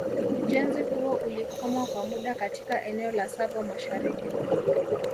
Ujenzi huo ulikwama kwa muda katika eneo la Tsavo mashariki